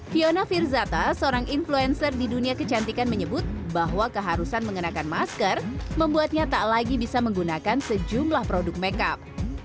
fiona firzata seorang influencer di dunia kecantikan menyebut bahwa keharusan mengenakan masker membuatnya tak lagi bisa menggunakan sejumlah produk makeup